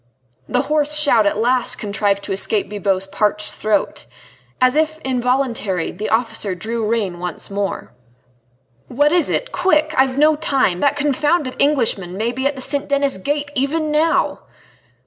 The hoarse shout at last contrived to escape Bibot's parched throat. As if involuntarily, the officer drew rein once more. "What is it? Quick! I've no time. That confounded Englishman may be at the St. Denis Gate even now!"